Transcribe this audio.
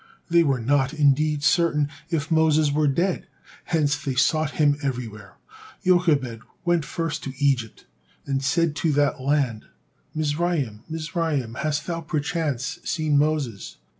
They were not indeed certain if Moses were dead, hence they sought him everywhere. Jochebed went first to Egypt and said to that land, "Mizraim, Mizraim, hast thou perchance seen Moses?"